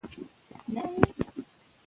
که مینه وي نو زده کړه نه ودریږي.